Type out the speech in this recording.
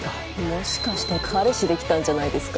もしかして彼氏出来たんじゃないですか？